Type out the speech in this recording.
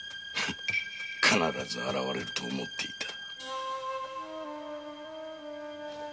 必ず現れると思っていた。